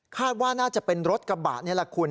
คาดว่าน่าจะเป็นรถกระบะนี่แหละคุณ